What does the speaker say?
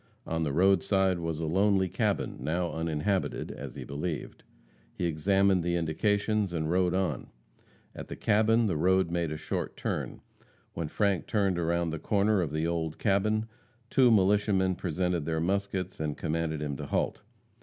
On the roadside was a lonely cabin, now uninhabited, as he believed. He examined the indications, and rode on. At the cabin the road made a short turn. When Frank turned around the corner of the old cabin, two militiamen presented their muskets and commanded him to halt.